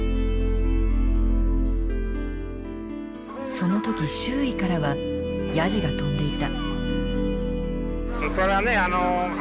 その時周囲からはヤジが飛んでいた。